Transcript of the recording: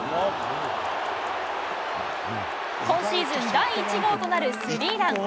今シーズン第１号となるスリーラン。